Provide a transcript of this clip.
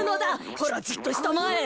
ほらじっとしたまえ。